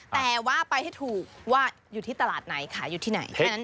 แต่ว่าไปให้ถูกว่าอยู่ที่ตลาดไหนขายอยู่ที่ไหนแค่นั้น